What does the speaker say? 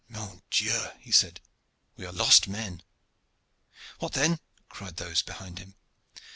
"Mon Dieu!" he said, "we are lost men!" "What then?" cried those behind him.